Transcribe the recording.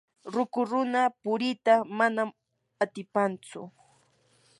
ruku runa purita manam atipanchu.